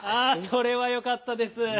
あそれはよかったです。